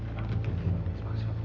terima kasih pak